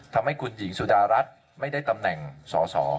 ทำให้คุณหญิงสุดารัฐไม่ได้ตำแหน่งสอสอ